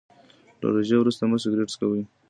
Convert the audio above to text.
له روژې وروسته مه سګریټ څکوئ.